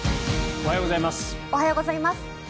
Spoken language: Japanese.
おはようございます。